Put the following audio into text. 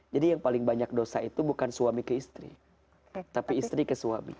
jadi yang paling banyak dosa itu bukan suami ke istri tapi istri ke suami